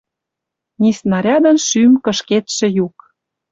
Ни снарядын шӱм кышкедшӹ юк